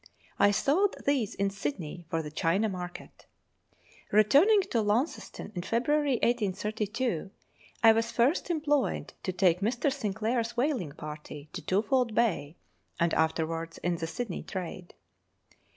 I sold these in Sydney for the China market. Returning to Launceston in February 1832, I was first employed to take Mr. Sinclair's whaling party to Twofold Bay, and afterwards in the Sydney trade.